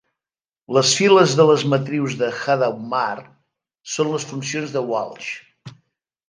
Les files de les matrius de Hadamard són les funcions de Walsh.